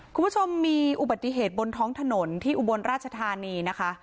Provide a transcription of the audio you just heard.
คุณผู้ชมมีอุบัติเหตุบนท้องถนนที่อุบลราชธานีนะคะ